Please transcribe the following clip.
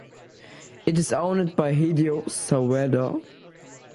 It is owned by Hideo Sawada.